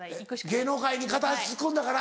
芸能界に片足突っ込んだから？